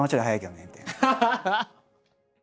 ハハハハ！